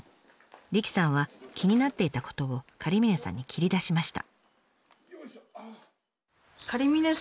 理妃さんは気になっていたことを狩峰さんに切り出しました。